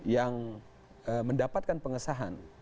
yang mendapatkan pengesahan